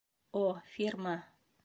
О фирма!